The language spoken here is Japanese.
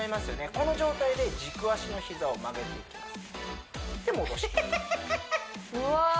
この状態で軸足の膝を曲げていきますで戻します